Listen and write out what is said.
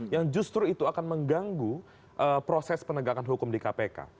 yang justru itu akan mengganggu proses penegakan hukum di kpk